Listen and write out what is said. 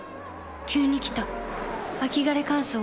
急に来た秋枯れ乾燥。